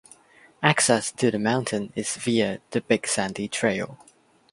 Access to the mountain is via the Big Sandy Trail.